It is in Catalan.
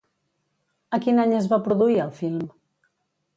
A quin any es va produir el film?